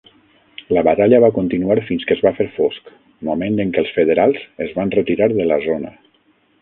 La batalla va continuar fins que es va fer fosc, moment en què els Federals es van retirar de la zona.